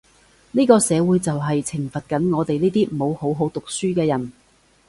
呢個社會就係懲罰緊我哋呢啲冇好好讀書嘅人